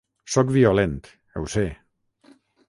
Sóc violent, ho sé.